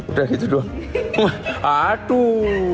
udah gitu doang